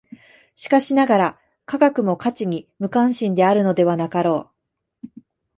しかしながら、科学も価値に無関心であるのではなかろう。